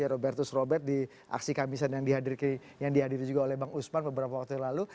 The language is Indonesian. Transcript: pak cj robertus robert di aksi kamisan yang dihadirkan juga oleh bang usman beberapa waktu lalu